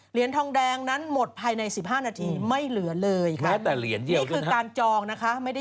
เหรียญทองแดงนั้นหมดภายใน๑๕นาทีไม่เหลือเลยค่ะแม้แต่เหรียญเดียวนี่คือการจองนะคะ